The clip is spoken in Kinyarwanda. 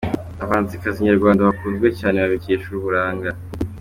Abahanzikazi nyarwanda bakunzwe cyane babikesha uburanga.